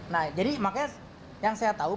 nah jadi makanya yang saya tahu